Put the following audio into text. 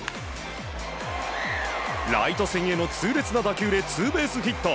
ライト線への痛烈な打球でツーベースヒット。